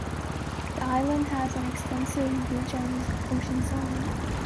The island has an extensive beach on its ocean side.